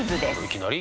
いきなり？